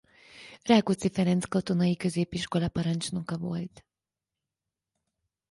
Rákóczi Ferenc Katonai Középiskola parancsnoka volt.